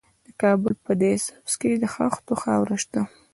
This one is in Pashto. د کابل په ده سبز کې د خښتو خاوره شته.